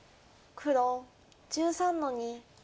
黒１３の二。